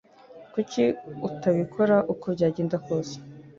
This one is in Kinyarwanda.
Kuki utabikora uko byagenda kose